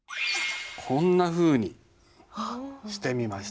こんなふうにしてみました。